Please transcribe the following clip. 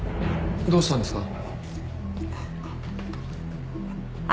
どうしたんですか？